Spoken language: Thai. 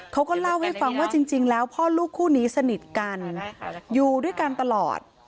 เขาก็เล่าให้ฟังว่าจริงแล้วพ่อลูกคู่นี้สนิทกันอยู่ด้วยกันตลอด